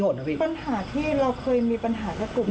ปัญหาที่เราเคยมีปัญหาที่สุด